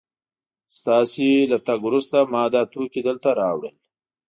ستاسو له تګ وروسته ما دا توکي دلته راوړل